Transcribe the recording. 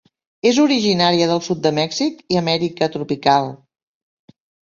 És originària del sud de Mèxic i Amèrica tropical.